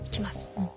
うん。